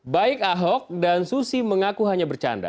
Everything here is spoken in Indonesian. baik ahok dan susi mengaku hanya bercanda